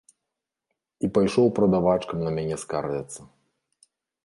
І пайшоў прадавачкам на мяне скардзіцца.